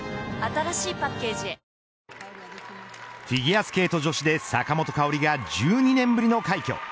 フィギュアスケート女子で坂本花織が１２年ぶりの快挙